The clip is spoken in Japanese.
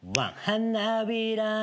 「花びらの」